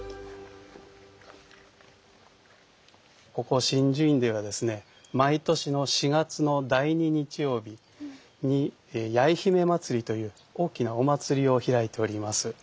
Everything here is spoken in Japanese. ここ眞珠院ではですね毎年の４月の第２日曜日に「八重姫まつり」という大きなお祭りを開いております。